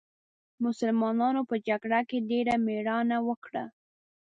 مسلمانانو په جګړه کې ډېره مېړانه وکړه.